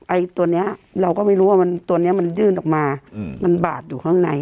ไอ้ตัวนี้เราก็ไม่รู้ว่าตัวนี้มันยื่นออกมามันบาดอยู่ข้างใน